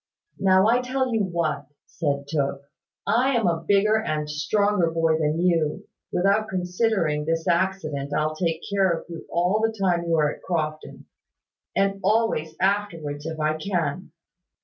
"Now, I'll tell you what," said Tooke. "I am a bigger and stronger boy than you, without considering this accident I'll take care of you all the time you are at Crofton: and always afterwards, if I can.